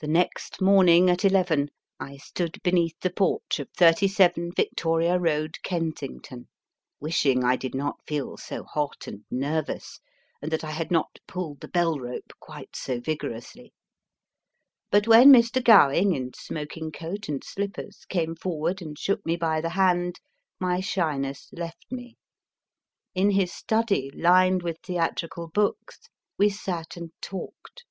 232 MY FIRST BOOK The next morning, at eleven, I stood beneath the porch of 37 Victoria Road, Kensington, wishing I did not feel so hot and nervous, and that I had not pulled the bell rope quite so vigorously. But when Mr. Gowing, in smoking coat and slippers, came forward and shook me by the hand, my shyness left me. In his stud} , lined with theatrical books, we sat and talked.